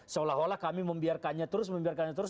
seolah olah kami membiarkannya terus